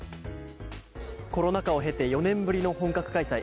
コロナ禍を経て４年ぶりの本格開催。